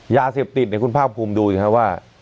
ยาเสพติดเนี่ยคุณภาคภูมิดูสิครับว่า